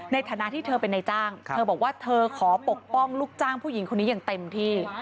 ในฐานะที่เธอเป็นนายจ้างเธอบอกว่าเธอขอปกป้องลูกจ้างผู้หญิงคนนี้อย่างเต็มที่